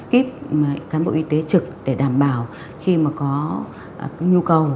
kiếp cán bộ y tế trực để đảm bảo khi mà có nhu cầu